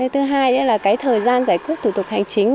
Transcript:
thứ hai nữa là cái thời gian giải quyết thủ tục hành chính